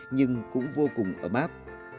nhưng cũng vô cùng ấm áp